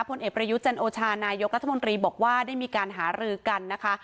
ผลเอกประยุทธ์จันโอชานายกรัฐมนตรีบอกว่าได้มีการหารือกันนะคะ